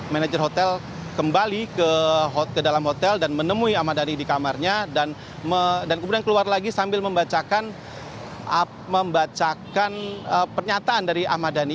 manager hotel kembali ke dalam hotel dan menemui ahmad dhani di kamarnya dan kemudian keluar lagi sambil membacakan pernyataan dari ahmad dhani